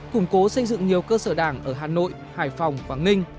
củng cố xây dựng nhiều cơ sở đảng ở hà nội hải phòng quảng ninh